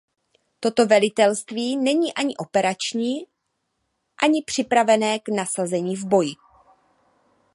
Toto velitelství není ani operační a ni připravené k nasazení v boji.